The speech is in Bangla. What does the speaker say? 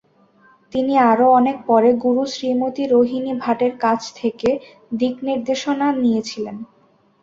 তিনি আরও অনেক পরে গুরু শ্রীমতী রোহিনী ভাটের কাছ থেকে দিকনির্দেশনা নিয়েছিলেন।